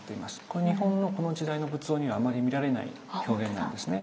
これ日本のこの時代の仏像にはあまり見られない表現なんですね。